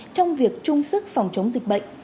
trong việc trung sức phòng chống dịch bệnh